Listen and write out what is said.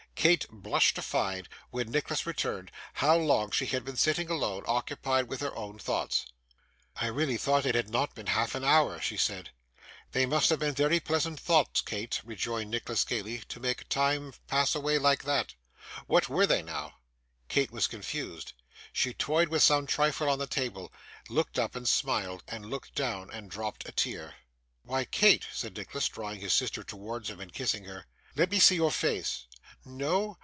Kate blushed to find, when Nicholas returned, how long she had been sitting alone, occupied with her own thoughts. 'I really thought it had not been half an hour,' she said. 'They must have been pleasant thoughts, Kate,' rejoined Nicholas gaily, 'to make time pass away like that. What were they now?' Kate was confused; she toyed with some trifle on the table, looked up and smiled, looked down and dropped a tear. 'Why, Kate,' said Nicholas, drawing his sister towards him and kissing her, 'let me see your face. No?